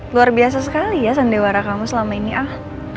luar biasa sekali ya sandiwara kamu selama ini ah